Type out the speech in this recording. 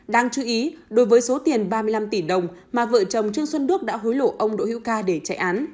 đáng chú ý đối với số tiền ba mươi năm tỷ đồng mà vợ chồng trương xuân đức đã hối lộ ông đỗ hữu ca để chạy án